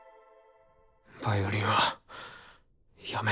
ヴァイオリンはやめたんだ。